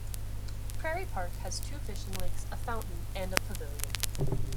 Prairie Park has two fishing lakes, a fountain, and a pavilion.